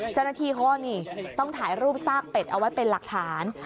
เจ้าหน้าที่เขาก็นี่ต้องถ่ายรูปซากเป็ดเอาไว้เป็นหลักฐาน